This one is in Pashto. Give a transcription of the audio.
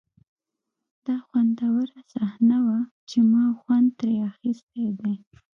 دا خوندوره صحنه وه چې ما خوند ترې اخیستی دی